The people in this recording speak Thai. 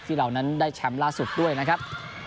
เรานั้นได้แชมป์ล่าสุดด้วยนะครับ